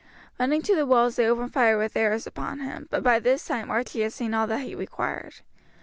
Running to the walls they opened fire with arrows upon him, but by this time Archie had seen all that he required.